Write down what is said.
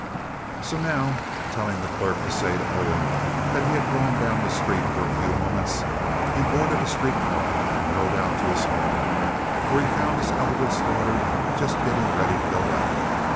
So now, telling the clerk to say to Owen that he had gone down the street for a few moments, he boarded a street car and rode out to his home, where he found his elder daughter just getting ready to go out.